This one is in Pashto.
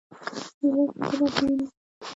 ميرويس نيکه د افغانانو مشر وو.